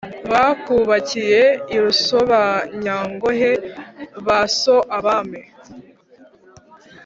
bakubakiye i rusobanyangohe ba so abami,